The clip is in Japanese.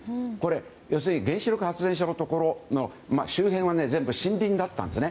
要するに原子力発電所の周辺は森林だったんです。